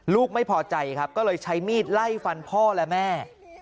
ลูกไม่พอใจครับก็เลยใช้มีดไล่ฟันพ่อและแม่